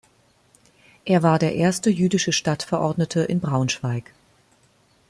Er war der erste jüdische Stadtverordnete in Braunschweig.